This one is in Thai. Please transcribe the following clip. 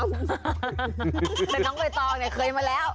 แต่น้องใบตองเนี่ยเคยมาแล้ว